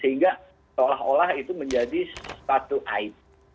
sehingga seolah olah itu menjadi statu ae